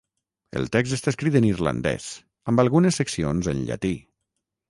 El text està escrit en irlandès, amb algunes seccions en llatí.